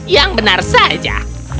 yang benar saja